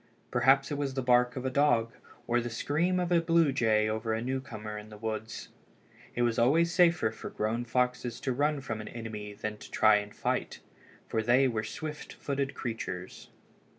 Perhaps it was the bark of a dog or the scream of a blue jay over a newcomer in the woods. It was always safer for grown foxes to run from an enemy than to try to fight, for they were swift footed creatures.